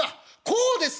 こうです